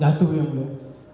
jatuh ya beliau